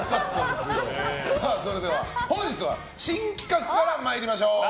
それでは本日は新企画から参りましょう。